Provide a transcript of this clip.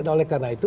oleh karena itu